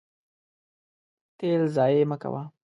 تیل ضایع مه کوه.